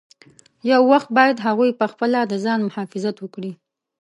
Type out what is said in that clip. یو وخت باید هغوی پخپله د ځان مخافظت وکړي.